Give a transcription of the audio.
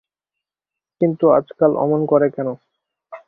কিন্তু আজকাল অমন করে কেন।